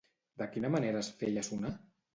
De quina manera es feia sonar?